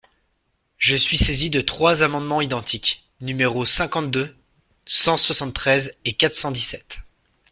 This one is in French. Je suis saisi de trois amendements identiques, numéros cinquante-deux, cent soixante-treize et quatre cent dix-sept.